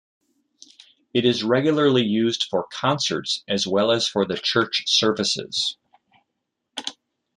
It is regularly used for concerts, as well as for the church services.